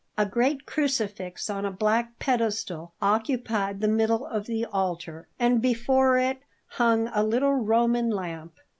A great crucifix on a black pedestal occupied the middle of the altar; and before it hung a little Roman lamp.